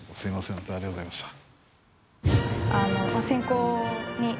ホントありがとうございました。